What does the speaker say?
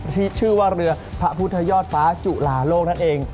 ที่ชื่อว่าเรือพระพุทธยอดฟ้าจุลาโลกนั่นเอง